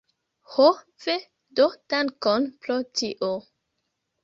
Ho ve, do dankon pro tio.